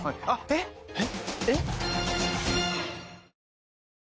えっえっ？